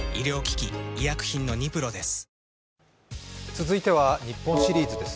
続いては日本シリーズです。